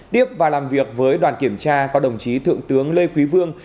tiếp và làm việc với đoàn kiểm tra có đồng chí thượng tướng lê quý vương